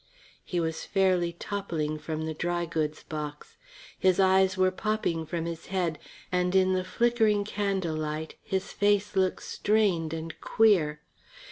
He was fairly toppling from the dry goods box. His eyes were popping from his head, and in the flickering candlelight his face looked strained and queer.